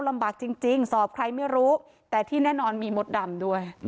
ลำบากจริงสอบใครไม่รู้แต่ที่แน่นอนมีมดดำด้วย